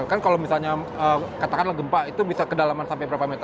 kan kalau misalnya katakanlah gempa itu bisa kedalaman sampai berapa meter